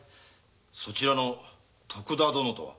そちらの徳田殿とは？